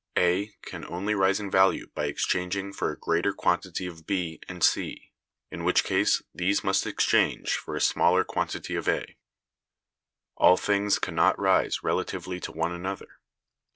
A can only rise in value by exchanging for a greater quantity of B and C; in which case these must exchange for a smaller quantity of A. All things can not rise relatively to one another.